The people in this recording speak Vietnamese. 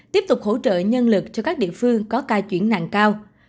tiếp tục hỗ trợ nhân lực cho các địa phương có ca chuyển nạn cao